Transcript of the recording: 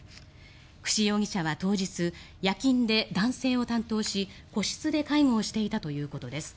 久志容疑者は当日夜勤で男性を担当し個室で介護していたということです。